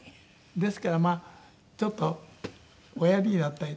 ですからまあちょっとおやりになったり。